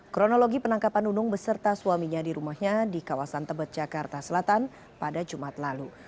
kronologi penangkapan nunung beserta suaminya di rumahnya di kawasan tebet jakarta selatan pada jumat lalu